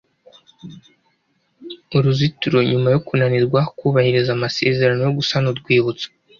uruzitiro nyuma yo kunanirwa kubahiriza amasezerano yo gusana urwibutso